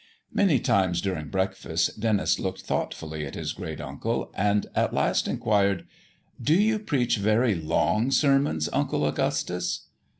Many times during breakfast Denis looked thoughtfully at his great uncle, and at last inquired "Do you preach very long sermons, Uncle Augustus?"